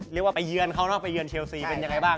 เรียกว่าไปเยือนเขาเนอะไปเยือนเชลซีเป็นยังไงบ้าง